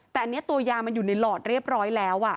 แต่อันนี้ตัวยามันอยู่ในหลอดเรียบร้อยแล้ว